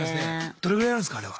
どれぐらいやるんすかあれは。